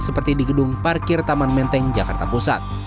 seperti di gedung parkir taman menteng jakarta pusat